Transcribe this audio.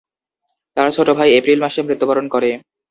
তার ছোট ভাই এপ্রিল মাসে মৃত্যুবরণ করে।